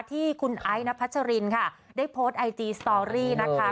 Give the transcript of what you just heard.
ที่คุณไอ้นพัชรินค่ะได้โพสต์ไอจีสตอรี่นะคะ